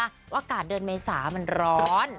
อากาศเดือนเมษามันร้อน